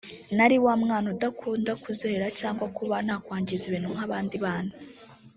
nari wa mwana udakunda kuzerera cyangwa kuba nakwangiza ibintu nk’abandi bana